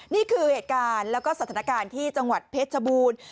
นี่คือเหตุการณ์แล้วก็สถานการณ์ที่จังหวัดเพชรชบูรณ์